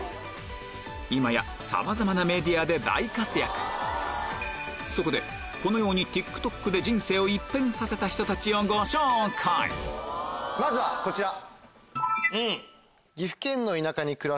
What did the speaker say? しかしＴｉｋＴｏｋでそこでこのようにＴｉｋＴｏｋで人生を一変させた人たちをご紹介まずはこちら。